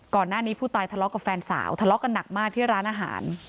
ก่อนหน้านี้ผู้ตายทะเลาะกับแฟนสาวทะเลาะกันหนักมากที่ร้านอาหาร